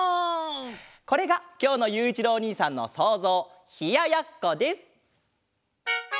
こちらがきょうのゆういちろうおにいさんのそうぞう「ひややっこ」です！